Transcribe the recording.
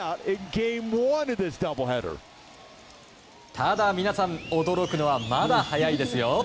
ただ皆さん、驚くのはまだ早いですよ。